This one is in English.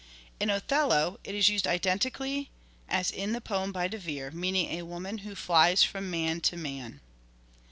In " Othello " it is used identically as in the poem by De Vere. meaning a woman who " flies from man to man."